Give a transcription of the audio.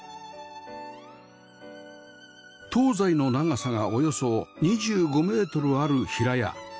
東西の長さがおよそ２５メートルある平屋